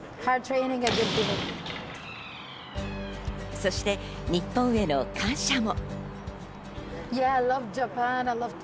そして日本への感謝も。